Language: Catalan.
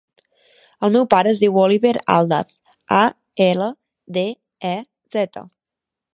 El meu pare es diu Oliver Aldaz: a, ela, de, a, zeta.